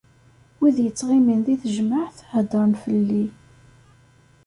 Wid yettɣimin di tejmaɛt, heddren fell-i.